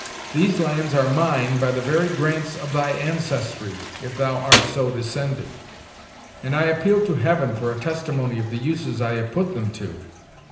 These lands are mine by the very grants of thy ancestry, if thou art so descended; and I appeal to Heaven for a testimony of the uses I have put them to.